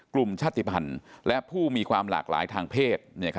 กลุ่มชาติภัณฑ์และผู้มีความหลากหลายทางเพศ